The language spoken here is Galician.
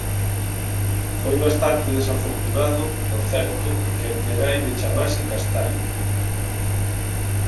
Foi bastante desafortunado, por certo, que a miña nai me chamase Castalia”.